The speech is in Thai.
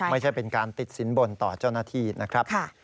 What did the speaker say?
ไม่ใช่เป็นการติดสินบนต่อเจ้าหน้าที่นะครับ